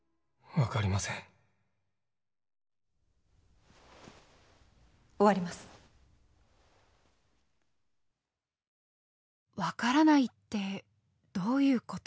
「分からない」ってどういう事？